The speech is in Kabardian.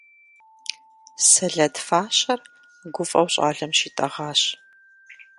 Сэлэт фащэр гуфӀэу щӀалэм щитӀэгъащ.